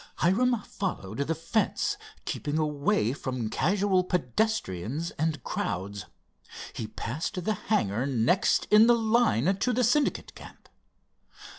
Hiram followed the fence, keeping away from casual pedestrians and crowds. He passed the hangar next in the line to the Syndicate camp.